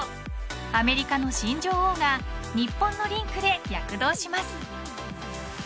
アメリカの新女王が日本のリンクで躍動します。